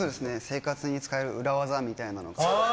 生活に使える裏技みたいなのを。